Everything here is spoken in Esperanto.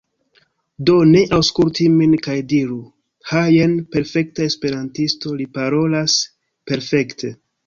Do, ne aŭskulti min kaj diru, "Ha jen perfekta Esperantisto, li parolas perfekte!"